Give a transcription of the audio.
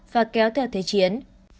và kéo theo thế chiến